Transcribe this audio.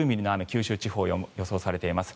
九州地方で予想されています。